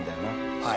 はい。